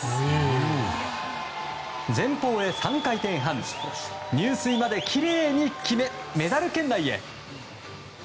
前方へ３回転半入水まできれいに決めメダル圏内へ。